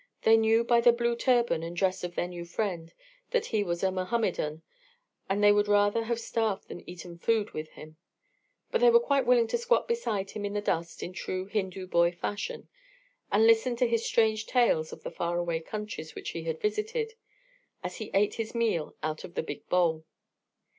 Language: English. They knew by the blue turban and dress of their new friend that he was a Mohammedan, and they would rather have starved than eaten food with him; but they were quite willing to squat beside him in the dust in true Hindu boy fashion, and listen to his strange tales of the far away countries which he had visited, as he ate his meal out of the big bowl.